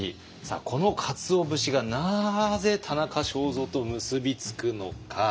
このかつお節がなぜ田中正造と結び付くのか。